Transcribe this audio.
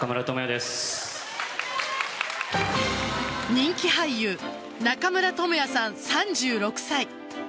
人気俳優・中村倫也さん３６歳。